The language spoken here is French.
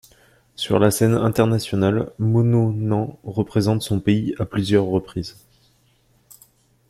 Sur la scène internationale, Mononen représente son pays à plusieurs reprises.